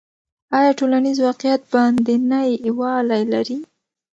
آیا ټولنیز واقعیت باندنی والی لري؟